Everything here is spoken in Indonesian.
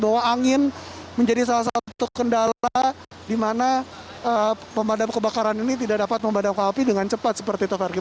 bahwa angin menjadi salah satu kendala di mana pemadam kebakaran ini tidak dapat memadamkan api dengan cepat seperti itu